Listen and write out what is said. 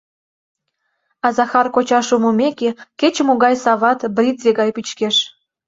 А Захар коча шумымеке, кеч-могай сават бритве гай пӱчкеш.